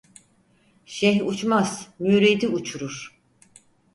Şeyh uçmaz, müridi uçurur.